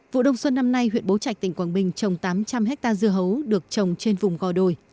vụ đông xuân năm nay huyện bố trạch tỉnh quảng bình trồng tám trăm linh hectare dưa hấu được trồng trên vùng gò đồi